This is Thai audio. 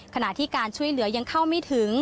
ขณะที่การช่วยเหลือยังเข้าไม่ถึง